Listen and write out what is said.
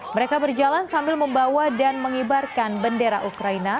mereka berjalan sambil membawa dan mengibarkan bendera ukraina